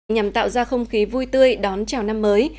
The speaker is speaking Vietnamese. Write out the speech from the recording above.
nhằm tạo ra không khí vui tươi đón chào năm mới